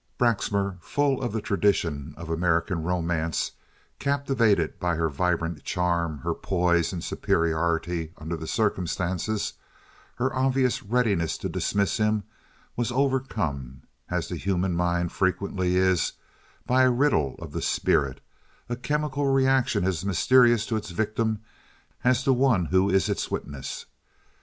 Braxmar, full of the tradition of American romance, captivated by her vibrant charm, her poise and superiority under the circumstances, her obvious readiness to dismiss him, was overcome, as the human mind frequently is, by a riddle of the spirit, a chemical reaction as mysterious to its victim as to one who is its witness.